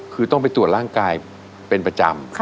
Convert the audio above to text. คือต้องไปตรวจร่างกายเป็นประจำ